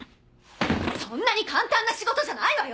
そんなに簡単な仕事じゃないわよ！